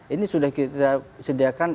ini sudah kita sediakan